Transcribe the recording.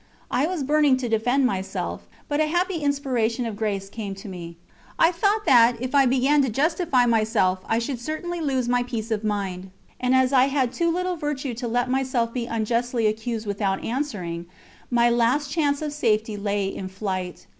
I was burning to defend myself, but a happy inspiration of grace came to me. I thought that if I began to justify myself I should certainly lose my peace of mind, and as I had too little virtue to let myself be unjustly accused without answering, my last chance of safety lay in flight.